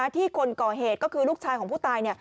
ที่คนก่อเหตุก็คือลูกชายของผู้ตาย